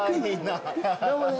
どうもね。